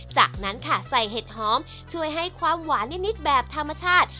จากนั้นค่ะใส่เห็ดหอมช่วยให้ความหวานนิดแบบธรรมชาติ